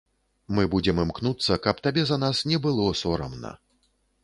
Мы будзем імкнуцца, каб табе за нас не было сорамна.